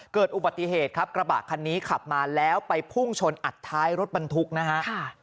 เกิดอุบัติเหตุครับกระบะคันนี้ขับมาแล้วไปพุ่งชนอัดท้ายรถบรรทุกนะฮะ